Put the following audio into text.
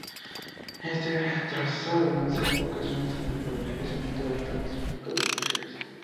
Este trazado, nació con vocación industrial pero fue posteriormente adaptado al tráfico de viajeros.